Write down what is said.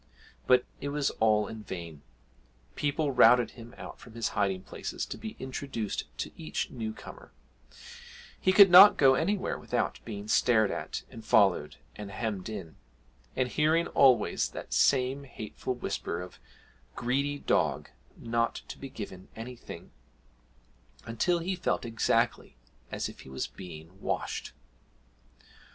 But it was all in vain; people routed him out from his hiding places to be introduced to each new comer; he could not go anywhere without being stared at, and followed, and hemmed in, and hearing always that same hateful whisper of 'Greedy dog not to be given anything,' until he felt exactly as if he was being washed!